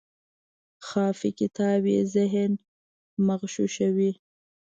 خافي کتاب یې ذهن مغشوشوي.